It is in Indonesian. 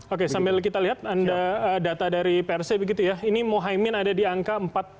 oke sambil kita lihat data dari prc ini mohaimin ada di angka empat empat